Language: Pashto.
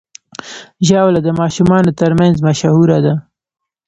ژاوله د ماشومانو ترمنځ مشهوره ده.